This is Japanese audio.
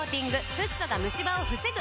フッ素がムシ歯を防ぐ！